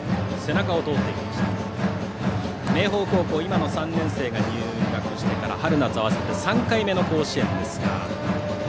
明豊高校は今の３年生が入学してから春夏合わせて３回目の甲子園。